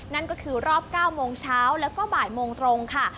นั่นก็คือรอบ๙โมงเช้าแล้วก็บ่ายโมงตรงค่ะ